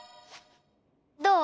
どう？